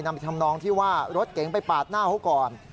ทำนองที่ว่ารถเก๋งไปปาดหน้าเขาก่อน